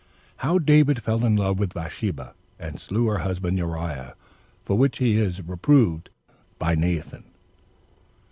How David Fell In Love With Bathsheba, And Slew Her Husband Uriah, For Which He Is Reproved By Nathan.